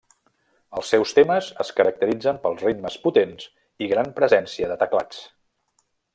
Els seus temes es caracteritzen pels ritmes potents i gran presència de teclats.